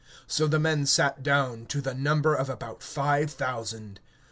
So the men lay down, in number about five thousand.